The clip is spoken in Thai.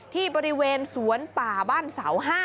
ที่บริเวณสวนป่าบ้านเสา๕